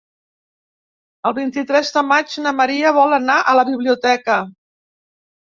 El vint-i-tres de maig na Maria vol anar a la biblioteca.